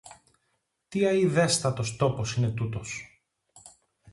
Τι αηδέστατος τόπος είναι τούτος!